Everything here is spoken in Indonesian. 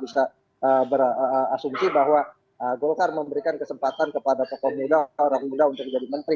bisa berasumsi bahwa golkar memberikan kesempatan kepada tokoh muda orang muda untuk menjadi menteri